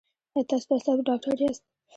ایا تاسو د اعصابو ډاکټر یاست؟